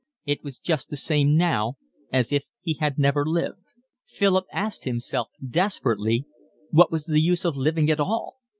It was just the same now as if he had never lived. Philip asked himself desperately what was the use of living at all.